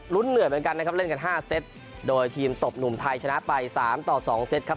รุ้นเหนื่อยเหมือนกันนะครับเล่นกัน๕เซตโดยทีมตบหนุ่มไทยชนะไป๓๒เซตครับ